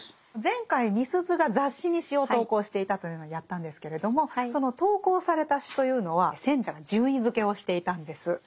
前回みすゞが雑誌に詩を投稿していたというのをやったんですけれどもその投稿された詩というのは選者が順位づけをしていたんです。